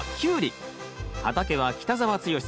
畑は北澤豪さん